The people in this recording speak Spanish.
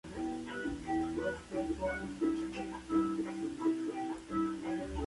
Crece lentamente y es de ramas gruesas.